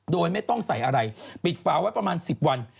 โดยไม่ต้องใส่อะไรปิดฝาไว้ประมาณ๑๐วัน